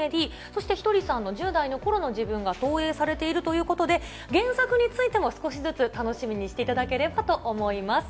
そして、ひとりさんの１０代のころの自分が投影されているということで、原作についても、少しずつ楽しみにしていただければと思います。